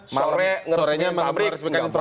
sore sorenya meresmikan istana